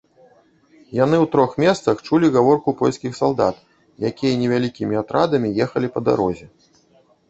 Яны ў трох месцах чулі гаворку польскіх салдат, якія невялікімі атрадамі ехалі па дарозе.